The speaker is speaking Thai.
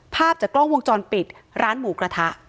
ภาพจากกล้องวงจรปิดร้านหมูกระทะ